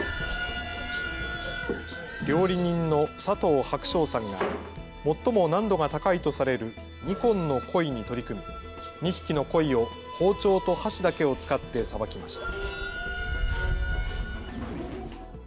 料理人の佐藤柏翔さんが最も難度が高いとされる二唯の鯉に取り組み２匹のこいを包丁と箸だけを使ってさばきました。